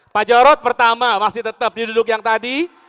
pak jarod pertama masih tetap di duduk yang tadi